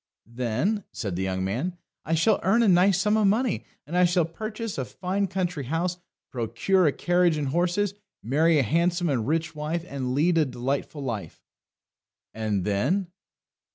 "Then," said the young man, "I shall earn a nice sum of money, and I shall purchase a fine country house, procure a carriage and horses, marry a handsome and rich wife, and lead a delightful life!" "And then?"